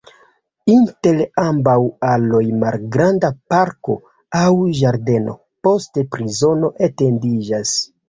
Inter ambaŭ aloj malgranda parko aŭ ĝardeno, poste prizono etendiĝas.